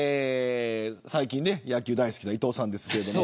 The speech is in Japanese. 最近、野球大好きな伊藤さんですが。